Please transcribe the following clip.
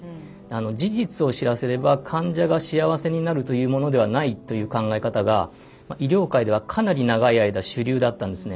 事実を知らせれば患者が幸せになるというものではないという考え方が医療界ではかなり長い間主流だったんですね。